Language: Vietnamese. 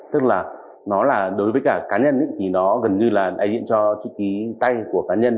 tức là nó là đối với cả cá nhân thì nó gần như là đại diện cho chữ ký tay của cá nhân